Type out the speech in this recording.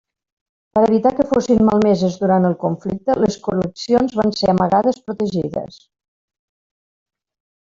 Per evitar que fossin malmeses durant el conflicte, les col·leccions van ser amagades protegides.